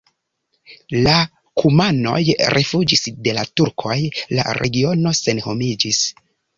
La kumanoj rifuĝis de la turkoj, la regiono senhomiĝis.